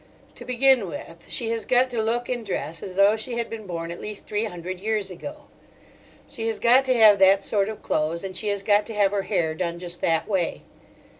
To begin with, she has got to look and dress as though she had been born at least three hundred years ago. She has got to have that sort of clothes, and she has got to have her hair done just that way.